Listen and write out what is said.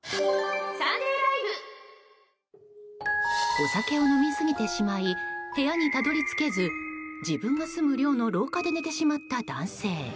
お酒を飲み過ぎてしまい部屋にたどり着けず自分が住む寮の廊下で寝てしまった男性。